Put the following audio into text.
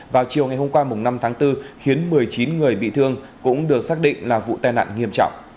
vào chiều ngày hôm qua năm tháng bốn khiến một mươi chín người bị thương cũng được xác định là vụ tai nạn nghiêm trọng